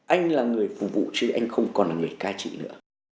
anh là người phục vụ chứ anh không còn là người cai trị nữa